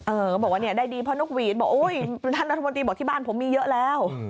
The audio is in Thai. เขาบอกว่าเนี่ยได้ดีเพราะนกหวีดบอกโอ้ยท่านรัฐมนตรีบอกที่บ้านผมมีเยอะแล้ว